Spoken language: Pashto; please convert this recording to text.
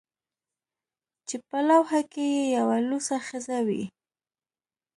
چې په لوحه کې یې یوه لوڅه ښځه وي